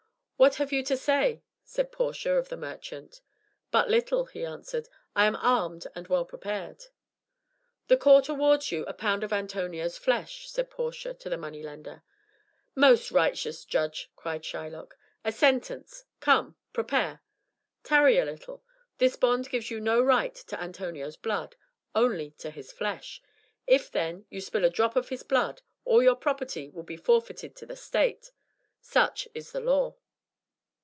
"What have you to say?" asked Portia of the merchant. "But little," he answered; "I am armed and well prepared." "The court awards you a pound of Antonio's flesh," said Portia to the money lender. "Most righteous judge!" cried Shylock. "A sentence: come, prepare." "Tarry a little. This bond gives you no right to Antonio's blood, only to his flesh. If, then, you spill a drop of his blood, all your property will be forfeited to the state. Such is the law."